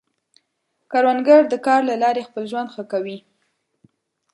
کروندګر د کار له لارې خپل ژوند ښه کوي